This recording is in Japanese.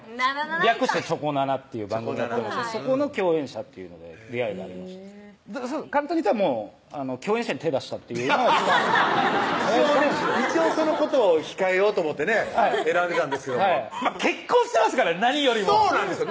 略してチョコナナってそこの共演者っていうので出会いがありました簡単に言ったらもう共演者に手出したっていう一応ね一応その言葉を控えようと思ってね選んでたんですけども結婚してますから何よりもそうなんですよ